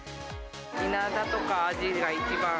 イナダとかアジが一番。